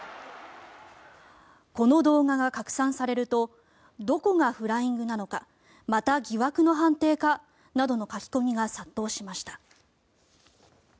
この動画が拡散されるとどこがフライングなのかまた疑惑の判定かなどの書き込みが殺到しました。